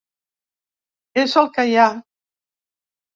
És el que hi ha.